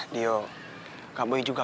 dio kak boy juga